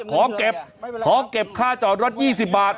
ขอเก็บขอเก็บค่าจอดรถ๒๐บาท